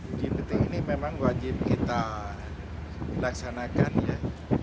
uji petik ini memang wajib kita laksanakan ya